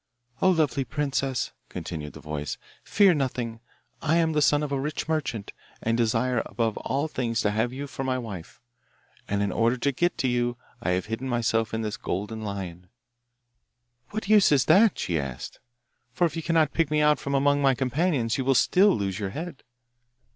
'O lovely úprincess!' continued the voice, 'fear nothing! I am the son of a rich merchant, and desire above all things to have you for my wife. And in order to get to you I have hidden myself in this golden lion.' 'What use is that?' she asked. 'For if you cannot pick me out from among my companions you will still lose your head.